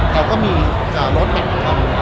แต่ก็มีรถแบกคร้นนี้